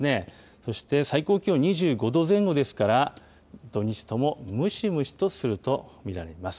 そして最高気温２５度前後ですから、土日ともムシムシとすると見られます。